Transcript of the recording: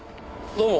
どうも。